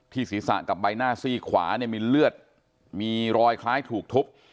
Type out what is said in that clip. ศีรษะกับใบหน้าซี่ขวาเนี่ยมีเลือดมีรอยคล้ายถูกทุบ